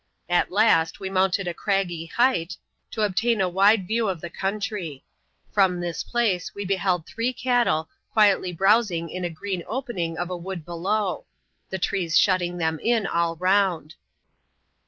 At last, we mounted a craggy height, to obtain a wide view of the countiy. From this place, we beheld three cattle, quietly browsing in a green opening of a wood below ; the trees shut ting them in all round.